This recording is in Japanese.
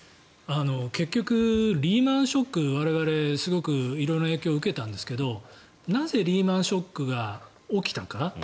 結局、リーマン・ショック我々すごく色々な影響を受けたんですけどなぜ、リーマン・ショックが起きたか。